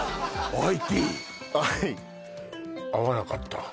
はい合わなかった？